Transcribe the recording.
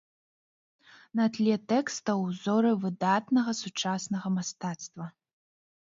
На тле тэкстаў узоры выдатнага сучаснага мастацтва.